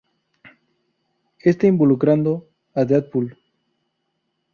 Este involucrando a Deadpool.